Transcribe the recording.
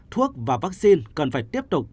thuốc và vaccine cần phải tiếp tục